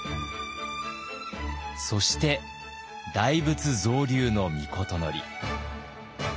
そして大仏造立の詔。